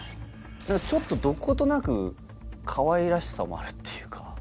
ちょっとどことなくかわいらしさもあるっていうか。